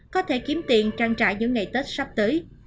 có thể kiếm tiền trang trải những ngày tết sắp tới